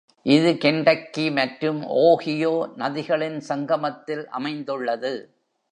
இது கென்டக்கி மற்றும் ஓஹியோ நதிகளின் சங்கமத்தில் அமைந்துள்ளது.